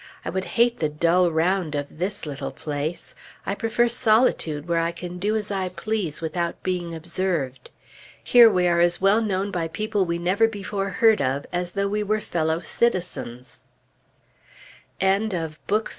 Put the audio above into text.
I would hate the dull round of this little place; I prefer solitude where I can do as I please without being observed. Here we are as well known by people we never before heard of as though we were fellow citizens. September 1st, Monday.